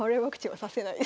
はい。